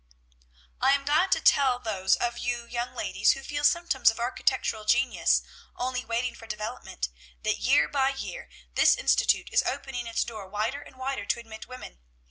"I am glad to tell those of you young ladies who feel symptoms of architectural genius only waiting for development, that year by year this institute is opening its door wider and wider to admit women.